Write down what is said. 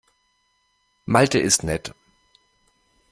Malte ist nett.